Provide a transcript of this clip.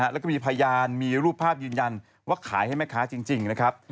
แล้วก็มีพยานมีรูปภาพยืนยันว่าขายให้แม่ค้าจริงนะครับ